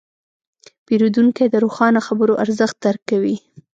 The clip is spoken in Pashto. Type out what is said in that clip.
پیرودونکی د روښانه خبرو ارزښت درک کوي.